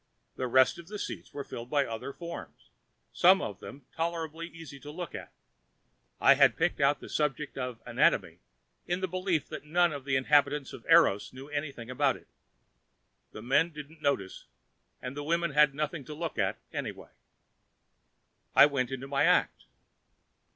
The rest of the seats were filled with other forms, some of them tolerably easy to look at. I had picked out the subject of anatomy in the belief that none of the inhabitants of Eros knew anything about it. The men didn't notice and the women had nothing at all to look at, anyway. I went into my act.